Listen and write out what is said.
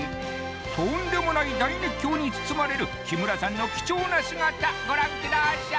とんでもない大熱狂に包まれる木村さんの貴重な姿ご覧ください